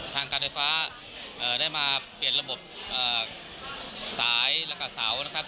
ทางการไฟฟ้าได้มาเปลี่ยนระบบสายแล้วก็เสานะครับ